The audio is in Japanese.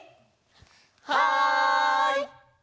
はい！